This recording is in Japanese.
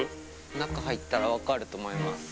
中入ったら分かると思います。